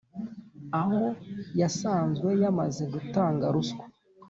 aho yasanzwe yamaze gutanga ruswa